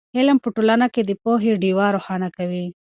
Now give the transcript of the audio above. علم په ټولنه کې د پوهې ډېوه روښانه کوي.